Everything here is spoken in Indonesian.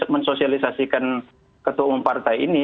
mensosialisasikan ketua umum partai ini